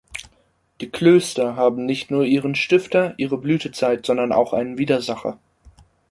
Die Klöster haben nicht nur ihren Stifter, ihre Blütezeit, sondern auch einen Widersacher.